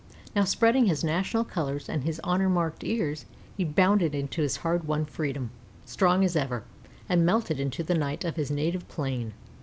Now spreading his national colors and his honor marked ears, he bounded into his hard won freedom, strong as ever, and melted into the night of his native plain.